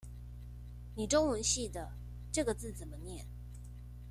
你中文系的，這個字怎麼念？